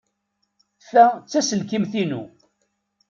Ta d taselkimt-inu.